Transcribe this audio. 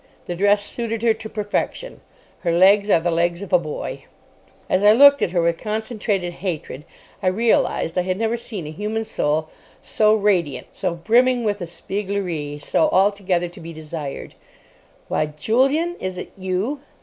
The dress suited her to perfection. Her legs are the legs of a boy. As I looked at her with concentrated hatred, I realised I had never seen a human soul so radiant, so brimming with espièglerie, so altogether to be desired. "Why, Julian, is it you.